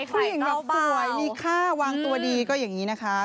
ผู้หญิงแบบสวยมีค่าวางตัวดีก็อย่างนี้นะคะ